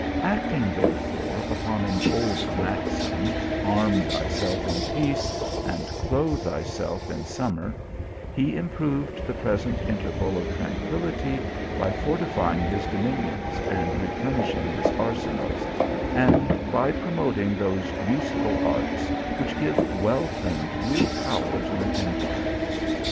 Acting therefore upon an old maxim, " arm thyself in peace, and clothe thyself in sum mer," he improved the present interval of tranquil lity by fortifying his dominions and replenishing his arsenals, and by promoting those useful arts which give wealth and real power to an empire.